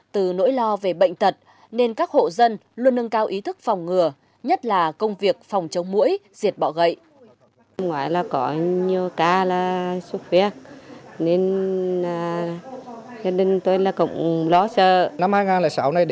từ nỗi lo về bệnh tật nên các hộ dân luôn nâng cao ý thức phòng ngừa nhất là công việc phòng chống mũi diệt bọ gậy